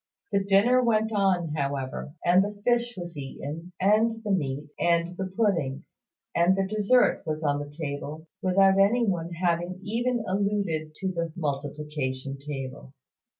The dinner went on, however; and the fish was eaten, and the meat, and the pudding; and the dessert was on the table, without any one having even alluded to the multiplication table.